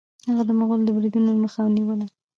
هغه د مغولو د بریدونو مخه ونیوله.